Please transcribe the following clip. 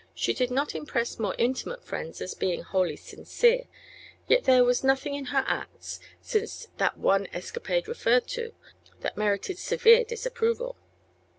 She did not impress more intimate friends as being wholly sincere, yet there was nothing in her acts, since that one escapade referred to, that merited severe disapproval.